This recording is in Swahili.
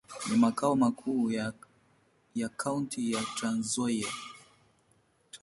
Ni makao makuu ya kaunti ya Trans-Nzoia.